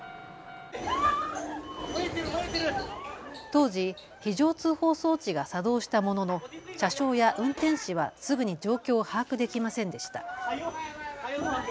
当時、非常通報装置が作動したものの車掌や運転士はすぐに状況を把握できませんでした。